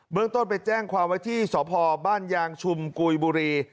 เมืองต้นไปแจ้งความไว้ที่สพบ้านยางชุมกุยบุรี